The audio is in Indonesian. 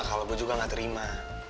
kalau gue juga gak terima